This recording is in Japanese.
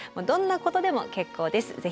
どんなことでも結構です。